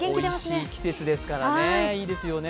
おいしい季節ですからいいですよね。